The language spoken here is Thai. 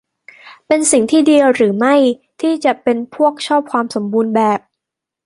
เป็นสิ่งที่ดีหรือไม่ที่จะเป็นพวกชอบความสมบูรณ์แบบ ?